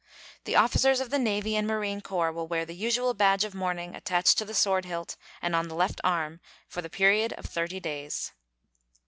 The officers of the Navy and Marine Corps will wear the usual badge of mourning attached to the sword hilt and on the left arm for the period of thirty days.